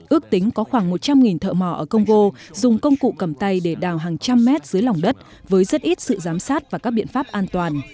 ước tính có khoảng một trăm linh thợ mò ở congo dùng công cụ cầm tay để đào hàng trăm mét dưới lòng đất với rất ít sự giám sát và các biện pháp an toàn